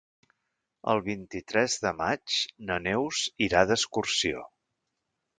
El vint-i-tres de maig na Neus irà d'excursió.